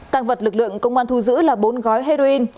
tăng vật lực lượng công an thu giữ là bốn gói heroin